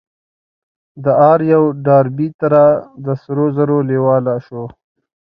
د آر يو ډاربي تره د سرو زرو لېواله شو.